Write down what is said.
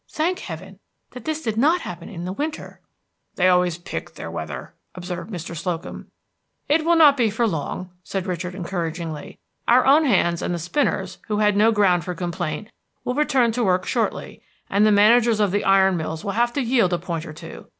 Thank Heaven that this did not happen in the winter!" "They always pick their weather," observed Mr. Slocum. "It will not be for long," said Richard encouragingly. "Our own hands and the spinners, who had no ground for complaint, will return to work shortly, and the managers of the iron mills will have to yield a point or two.